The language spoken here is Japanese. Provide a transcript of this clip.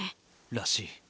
らしい。